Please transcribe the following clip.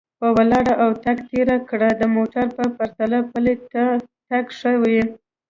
په ولاړه او تګ تېره کړه، د موټر په پرتله پلی تګ ښه و.